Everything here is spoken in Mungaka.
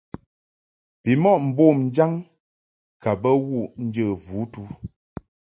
Bimɔʼ mbom jaŋ ka bə wuʼ njə vutu.